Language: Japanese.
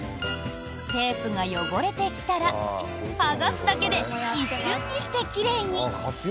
テープが汚れてきたら剥がすだけで一瞬にして奇麗に。